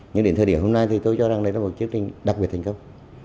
nhưng đến thời điểm hôm nay thì tôi cho rằng đây là một chiếc trinh đặc biệt thành công